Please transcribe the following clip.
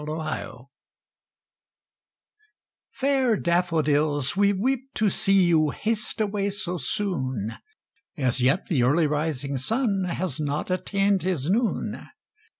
TO DAFFODILS Fair daffodils, we weep to see You haste away so soon; As yet the early rising sun Has not attain'd his noon.